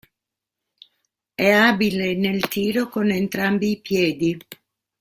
È abile nel tiro con entrambi i piedi.